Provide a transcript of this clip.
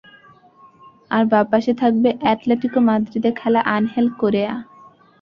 আর বাঁ পাশে থাকবে অ্যাটলেটিকো মাদ্রিদে খেলা আনহেল কোরেয়া।